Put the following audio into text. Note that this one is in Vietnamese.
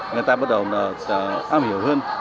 người ta bắt đầu am hiểu hơn